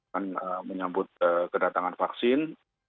kan menyambut kedatangan vaksin